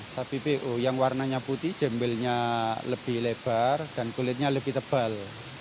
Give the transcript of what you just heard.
sapi po yang warnanya putih jembelnya lebih lebar dan kulitnya lebih tebal